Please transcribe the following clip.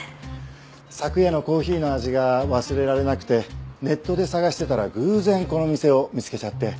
昨夜のコーヒーの味が忘れられなくてネットで探してたら偶然この店を見つけちゃって。